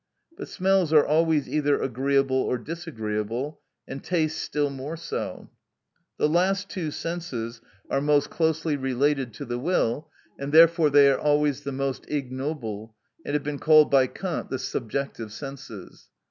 But smells are always either agreeable or disagreeable, and tastes still more so. Thus the last two senses are most closely related to the will, and therefore they are always the most ignoble, and have been called by Kant the subjective senses.